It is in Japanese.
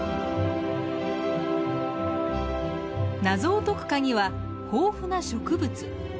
謎を解くカギは豊富な植物。